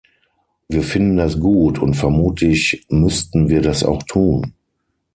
Wir finden das gut, und vermutlich müssten wir das auch tun.